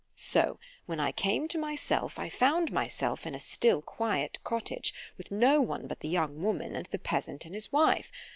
So when I came to myself——I found myself in a still quiet cottage, with no one but the young woman, and the peasant and his wife.